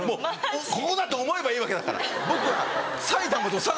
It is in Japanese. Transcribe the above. ここだと思えばいいわけだから僕は埼玉と佐賀。